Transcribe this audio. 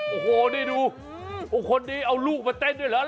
โอ้โหนี่ดูคนนี้เอาลูกมาเต้นด้วยเหรอ